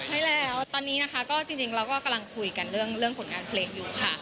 ใช่แล้วตอนนี้นะคะก็จริงเราก็กำลังคุยกันเรื่องผลงานเพลงอยู่ค่ะ